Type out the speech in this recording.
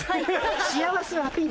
幸せをアピール。